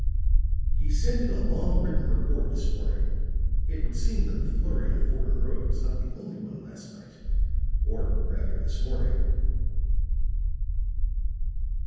"He sent in a long written report this morning. It would seem that the flurry on Fordham Road was not the only one last night or rather this morning."